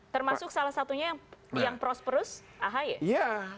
termasuk salah satunya yang prospers ahi